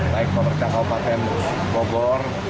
baik pemerintah kabupaten bogor